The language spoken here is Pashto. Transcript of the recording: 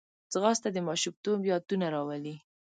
ځغاسته د ماشومتوب یادونه راولي